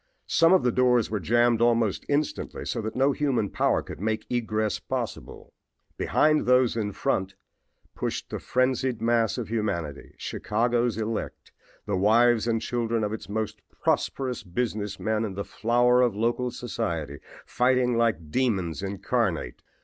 Some of the doors were jammed almost instantly so that no human power could make egress possible. Behind those in front pushed the frenzied mass of humanity, Chicago's elect, the wives and children of its most prosperous business men and the flower of local society, fighting like demons incarnate.